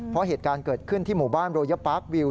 เพราะเหตุการณ์เกิดขึ้นที่หมู่บ้านโรยปาร์ควิว